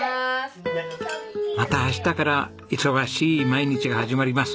また明日から忙しい毎日が始まります。